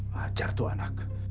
hajar tuh anak